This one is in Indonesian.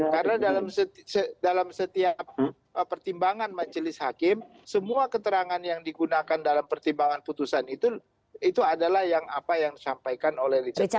karena dalam setiap pertimbangan majelis hakim semua keterangan yang digunakan dalam pertimbangan putusan itu adalah yang apa yang disampaikan oleh richard eliezer